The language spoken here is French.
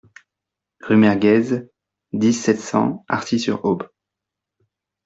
Rue Mergez, dix, sept cents Arcis-sur-Aube